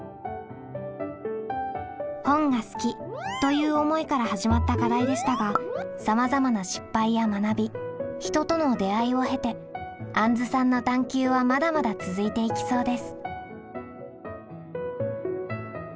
「本が好き」という思いから始まった課題でしたがさまざまな失敗や学び人との出会いを経てあんずさんの探究はまだまだ続いていきそうです。